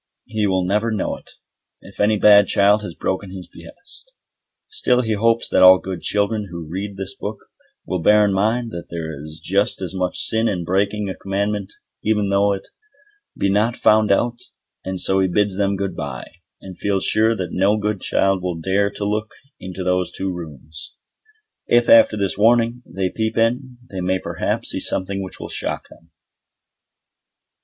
He will never know it, if any bad child has broken his behest. Still he hopes that all good children who read this book will bear in mind that there is just as much sin in breaking a commandment even though it be not found out, and so he bids them good bye, and feels sure that no good child will dare to look into those two rooms. If, after this warning, they peep in, they may perhaps see something which will shock them.